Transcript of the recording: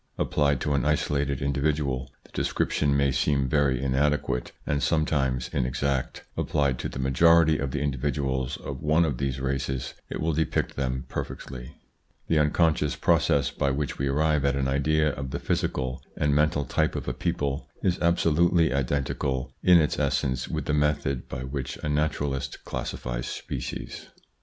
Applied to an isolated individual, the description may seem very inadequate and sometimes inexact ; applied to the majority of the individuals of one of these races it will depict them perfectly. The unconscious pro cess by which we arrive at an idea of the physical and mental type of a people is absolutely identical in its essence with the method by which a naturalist classifies species.